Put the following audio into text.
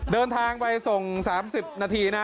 เดินทางไปส่ง๓๐นาทีนะ